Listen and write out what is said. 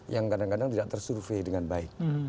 yang kadang kadang tidak tersurvey dengan baik